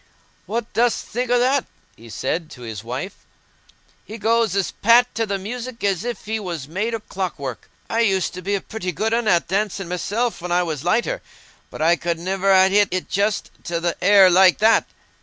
"What dost think o' that?" he said to his wife. "He goes as pat to the music as if he was made o' clockwork. I used to be a pretty good un at dancing myself when I was lighter, but I could niver ha' hit it just to th' hair like that."